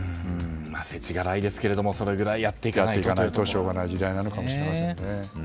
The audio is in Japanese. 世知辛いですけどそれぐらいやらないとしょうがない時代なのかもしれないですね。